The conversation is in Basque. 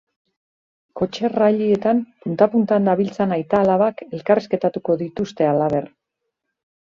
Kotxe rallyetan punta-puntan dabiltzan aita-alabak elkarrizketatuko dituzte halaber.